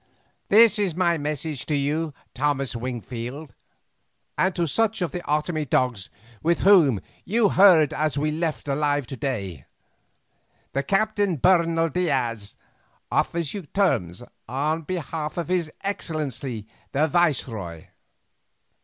"This is my message to you, Thomas Wingfield, and to such of the Otomie dogs with whom you herd as we have left alive to day. The Captain Bernal Diaz offers you terms on behalf of his Excellency the viceroy."